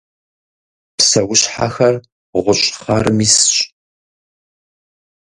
Псэущхьэхэр гъущӏхъархэм исщ.